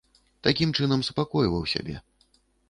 Такім чынам супакойваў сябе.